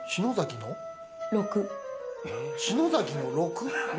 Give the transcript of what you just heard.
篠崎の６？